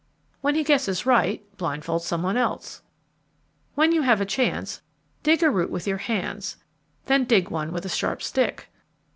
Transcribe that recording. _ When he guesses right, blindfold some one else. _When you have a chance, dig a root with your hands, then dig one with a sharp stick.